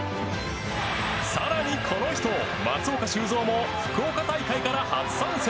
更に、この人松岡修造も福岡大会から初参戦！